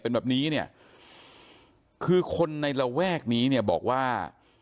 เป็นแบบนี้เนี่ยคือคนในระแวกนี้เนี่ยบอกว่า